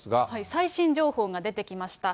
最新情報が出てきました。